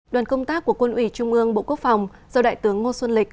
đoàn công tác của quân ủy trung ương bộ quốc phòng do đại tướng ngô xuân lịch